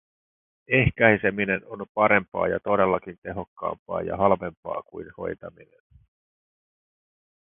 Ehkäiseminen on parempaa ja todellakin tehokkaampaa ja halvempaa kuin hoitaminen.